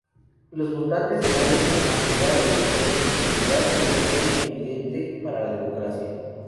Los votantes Eanes admirado por su integridad y devoción evidente para la democracia.